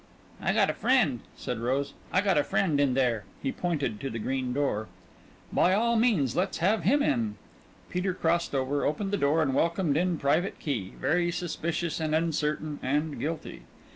"I got a friend," said Rose, "I got a friend in there." He pointed to the green door. "By all means let's have him in." Peter crossed over, opened the door and welcomed in Private Key, very suspicious and uncertain and guilty.